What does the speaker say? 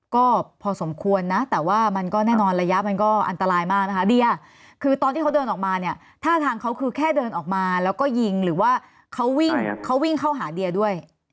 ก็พอสมควรนะแต่ว่ามันก็แน่นอนระยะมันก็อันตรายมากนะคะเดียคือตอนที่เขาเดินออกมาเนี่ยท่าทางเขาคือแค่เดินออกมาแล้วก็ยิงหรือว่าเขาวิ่งเขาวิ่งเข้าหาเดียด้วย